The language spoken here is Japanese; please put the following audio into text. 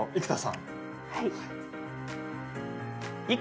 はい。